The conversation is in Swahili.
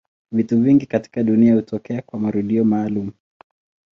Vitu vingi katika dunia hutokea kwa marudio maalumu.